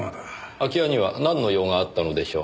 空き家にはなんの用があったのでしょう？